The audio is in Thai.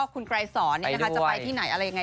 คุณกลายสนเลยค่ะจะไปที่ไหนอะไรยังไง